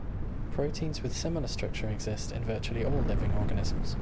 Proteins with similar structure exist in virtually all living organisms.